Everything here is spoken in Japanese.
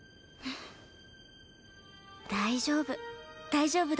大丈夫。